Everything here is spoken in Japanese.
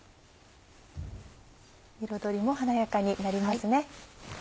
彩りも華やかになりますね。